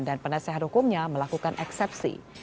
dan penasehat hukumnya melakukan eksepsi